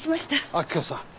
明子さん。